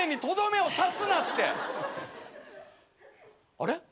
あれ？